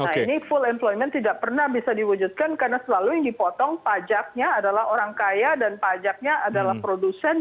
nah ini full employment tidak pernah bisa diwujudkan karena selalu yang dipotong pajaknya adalah orang kaya dan pajaknya adalah produsen